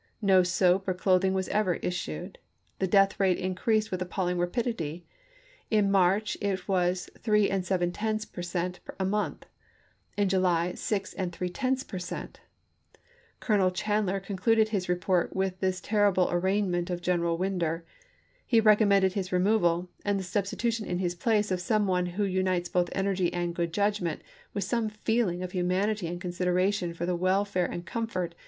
No soap or cloth ing was ever issued. The death rate increased with appalling rapidity ; in March it was 3yo Per 1864 cent, a month, in July, 6^ . Colonel Chandler con cluded his report with this terrible arraignment of General Winder. He recommended his removal " and the substitution in his place of some one who unites both energy and good judgment with some feeling of humanity and consideration for the wel fare and comfort